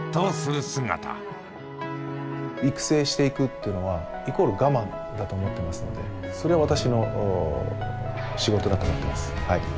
育成していくっていうのはイコール我慢だと思ってますのでそれは私の仕事だと思ってます。